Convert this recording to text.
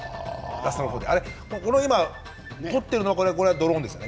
今撮っているのはドローンですよね。